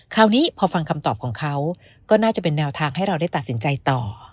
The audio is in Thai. คราวนี้พอฟังคำตอบของเขาก็น่าจะเป็นแนวทางให้เราได้ตัดสินใจต่อ